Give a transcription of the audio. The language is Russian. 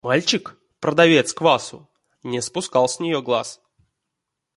Мальчик, продавец квасу, не спускал с нее глаз.